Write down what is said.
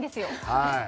はい。